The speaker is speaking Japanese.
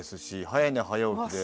早寝早起きで。